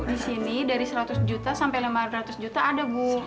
di sini dari seratus juta sampai lima ratus juta ada bu